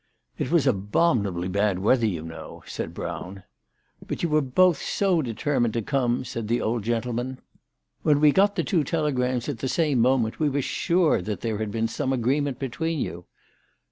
" It was abominably bad weather you know," said Brown. " But you were both so determined to come," said the old gentleman. " When we got the two telegrams CHRISTMAS AT THOMPSON HALL. 257 at the same moment, we were sure that there had been some agreement between you."